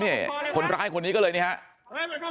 นี่คนร้ายคนนี้ก็เลยนี่ครับ